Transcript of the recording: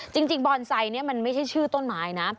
จริงบอนไซม์มันไม่ใช่ชื่อต้นไม้นะ